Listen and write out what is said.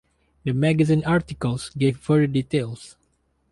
The magazine article gave further details.